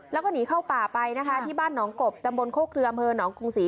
แล้วก็หนีเข้าป่าไปนะคะที่บ้านหนองกบตำวนโค้กเฉียมเมอร์หนองกุ้งศรี